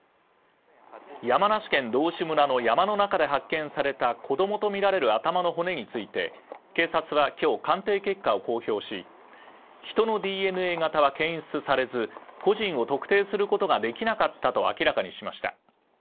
山梨県道志村の山の中で発見された子供とみられる頭の骨について警察は今日、鑑定結果を公表し、ヒトのＤＮＡ型は検出されず、個人を特定することができなかったと明らかにしました。